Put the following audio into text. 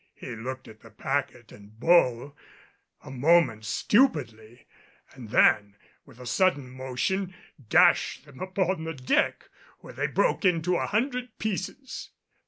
He looked at the packet and bowl a moment stupidly and then, with a sudden motion, dashed them upon the deck, where they broke into a hundred pieces.